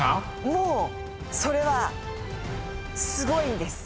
もうそれはすごいんです。